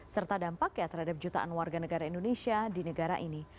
serta dampaknya terhadap jutaan warga negara indonesia di negara ini